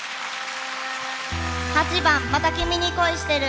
８番「また君に恋してる」。